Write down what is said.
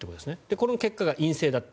この結果が陰性だった。